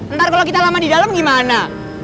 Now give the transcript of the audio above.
ntar kalau kita lama di dalam gimana